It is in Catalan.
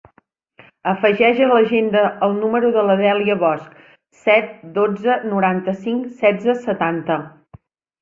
Afegeix a l'agenda el número de la Dèlia Bosch: set, dotze, noranta-cinc, setze, setanta.